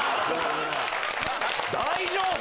大丈夫？